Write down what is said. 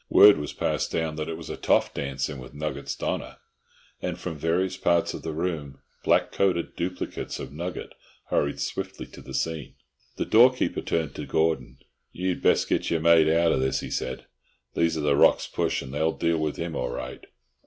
Word was passed down that it was a "toff darncin' with Nugget's donah," and from various parts of the room black coated duplicates of Nugget hurried swiftly to the scene. The doorkeeper turned to Gordon. "You'd best get your mate out o' this," he said. "These are the Rocks Push, and they'll deal with him all right."